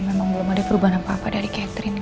memang belum ada perubahan apa apa dari catherine